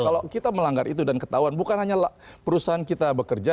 kalau kita melanggar itu dan ketahuan bukan hanya perusahaan kita bekerja